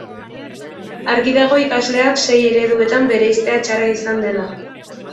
Argi dago ikasleak sei ereduetan bereiztea txarra izan dela.